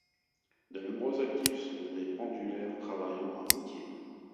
De nombreux actifs sont des pendulaires travaillant à Moutier.